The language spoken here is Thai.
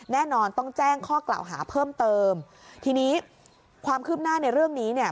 แน่นอนต้องแจ้งข้อกล่าวหาเพิ่มเติมทีนี้ความคืบหน้าในเรื่องนี้เนี่ย